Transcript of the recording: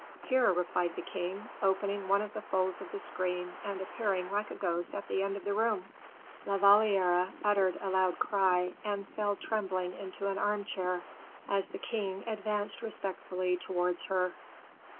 "Here," replied the king, opening one of the folds of the screen, and appearing like a ghost at the end of the room. La Valliere uttered a loud cry, and fell trembling into an armchair, as the king advanced respectfully towards her.